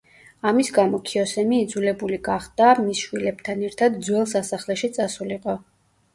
ამის გამო ქიოსემი იძლებული გახდა მის შვილებთან ერთად ძველ სასახლეში წასულიყო.